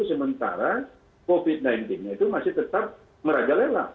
sementara covid sembilan belas nya itu masih tetap merajalela